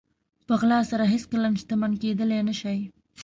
په غلا سره هېڅکله شتمن کېدلی نه شئ.